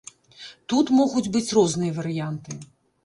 Тут могуць быць розныя варыянты.